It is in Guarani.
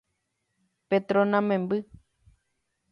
Petrona memby.